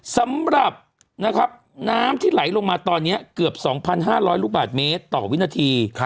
สำหรับน้ำที่ไหลลงมาตอนนี้เกือบ๒๕๐๐ลูกบาทเมตรต่อวินาที